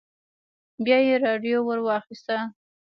بيا يې راډيو ور واخيسته.